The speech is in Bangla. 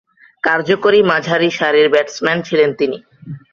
কার্যকরী মাঝারিসারির ব্যাটসম্যান ছিলেন তিনি।